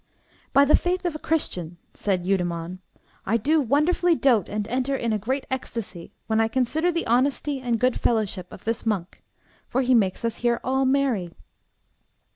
By the faith of a Christian, said Eudemon, I do wonderfully dote and enter in a great ecstasy when I consider the honesty and good fellowship of this monk, for he makes us here all merry.